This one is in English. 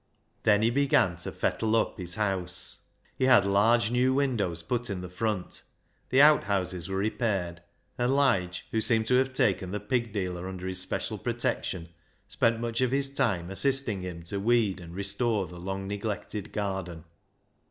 Then he began to " fettle up " his house. He had large new windows put in the front. The outhouses were repaired, and Lige, who seemed to have taken the pig dealer under his special protection, spent much of his time assisting him to weed and restore the long neglected garden.